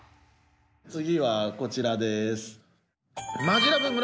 次はこちらです。